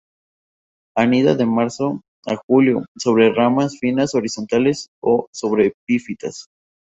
Anida de marzo a julio sobre ramas finas horizontales o sobre epifitas.